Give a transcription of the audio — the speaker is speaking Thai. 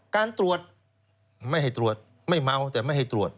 การตรวจไม่ให้ตรวจไม่เมาแต่ไม่ให้ตรวจ